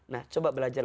nah coba belajar